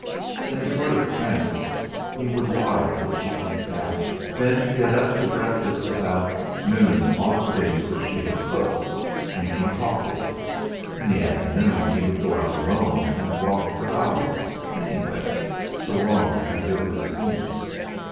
In a sort of trance he would lie till she came back. Then get up to breakfast about noon off things which she had cooked, drinking coffee. In the afternoon he would go out alone and walk for hours, any where, so long as it was East.